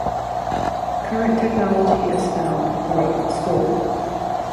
Current technology is found throughout the school.